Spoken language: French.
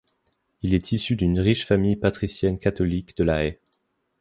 Il est issu d'une riche famille patricienne catholique de La Haye.